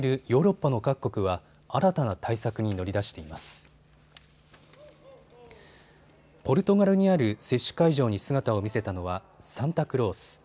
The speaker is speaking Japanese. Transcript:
ポルトガルにある接種会場に姿を見せたのはサンタクロース。